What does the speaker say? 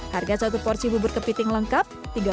harga satu porsi bubur kepiting lengkap